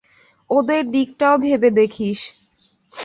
ওদের দিকটাও ভেবে দেখিস।